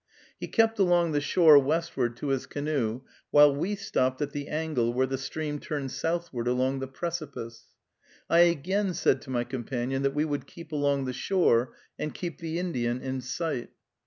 He kept along the shore westward to his canoe, while we stopped at the angle where the stream turned southward around the precipice. I again said to my companion that we would keep along the shore and keep the Indian in sight.